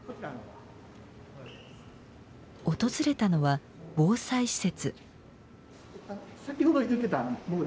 訪れたのは防災施設。